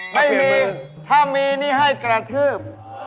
ไม่มีถ้ามีนี่ให้กระทืบ